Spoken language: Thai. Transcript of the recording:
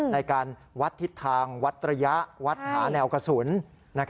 ในการวัดทิศทางวัดระยะวัดหาแนวกระสุน